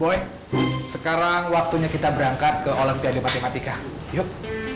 boleh sekarang waktunya kita berangkat ke olimpiade matematika yuk